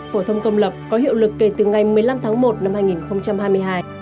phổ thông công lập có hiệu lực kể từ ngày một mươi năm tháng một năm hai nghìn hai mươi hai